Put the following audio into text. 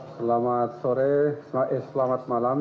selamat sore naif selamat malam